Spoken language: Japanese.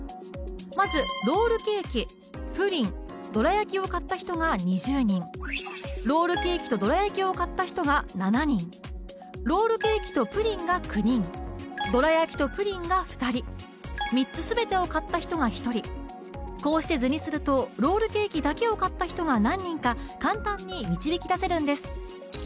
まずロールケーキプリンどら焼きを買った人が２０人ロールケーキとどら焼きを買った人が７人ロールケーキとプリンが９人どら焼きとプリンが２人３つ全てを買った人が１人こうして図にするとロールケーキだけを買った人が何人か簡単に導き出せるんです